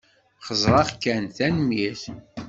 Xeẓẓreɣ kan, tanemmirt.